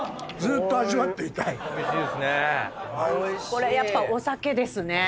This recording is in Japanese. これやっぱお酒ですね。